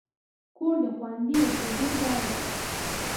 کور د خوندي اوسېدو ځای دی.